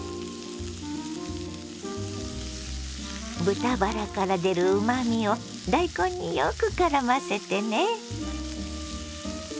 豚バラから出るうまみを大根によくからませてね。